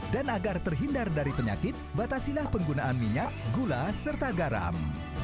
dan agar terhindar dari penyakit batasilah penggunaan minyak gula serta garam